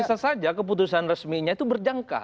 bisa saja keputusan resminya itu berjangka